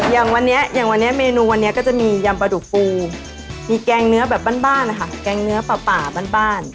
อย่างเมนูวันนี้ก็จะมียำปลาดูกปูมีแกงเนื้อแบบบ้านนะคะแกงเนื้อปลาบ้าน